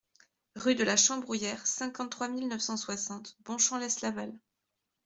Rue de la Chambrouillère, cinquante-trois mille neuf cent soixante Bonchamp-lès-Laval